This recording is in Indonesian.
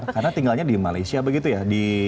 katanya di malaysia begitu ya di